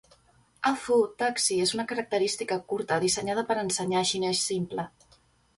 A-Fu taxi és una característica curta dissenyada per ensenyar xinès simple.